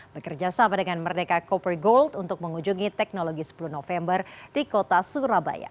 bekerja sama dengan merdeka copper gold untuk mengunjungi teknologi sepuluh november di kota surabaya